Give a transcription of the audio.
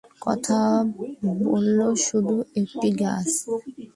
কথা বলল শুধু একটি গাছ।